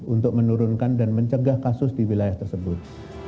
untuk menurunkan dan mencegah kasus di wilayah tersebut